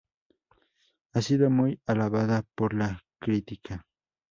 Ha sido muy alabada por la crítica.